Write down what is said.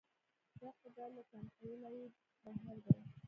دا قدرت له کنټروله يې بهر دی.